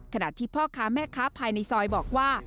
ขณะที่พ่อค้าแม่ค้าภายในซอยบอกว่า